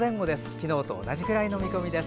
昨日と同じぐらいの見込みです。